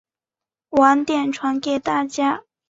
晚点传给大家